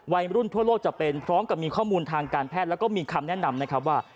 วัยรุ่นทั่วโลกจะเป็นพร้อมกับมีข้อมูลทางการแพทย์แล้วก็มีคำแนะนำนะครับว่า